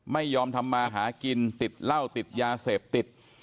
ไม่ยอมทำมาหากินติดเหล้าติดยาเสพติด